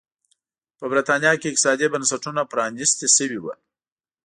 په برېټانیا کې اقتصادي بنسټونه پرانيستي شوي وو.